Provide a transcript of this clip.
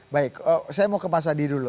baik saya mau ke mas adi dulu